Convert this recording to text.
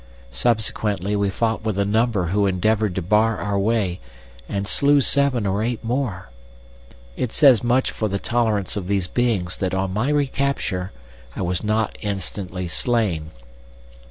Subsequently we fought with a number who endeavoured to bar our way, and slew seven or eight more. It says much for the tolerance of these beings that on my recapture I was not instantly slain.